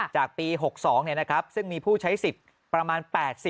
จากปี๖๒ซึ่งมีผู้ใช้สิทธิ์ประมาณ๘๐